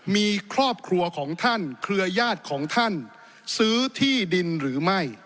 มีครอบครัวของท่านเครือญาติของท่านซื้อที่ดินหรือไม่